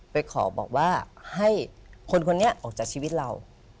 ไปขอบอกว่าให้คนคนนี้ออกจากชีวิตเรา